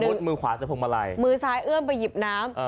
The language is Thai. มือขวาจากพวงมาลัยมือซ้ายเอื้อมไปหยิบน้ำ